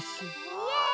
うわ！